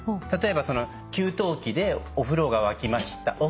例えば給湯器でお風呂が沸きました。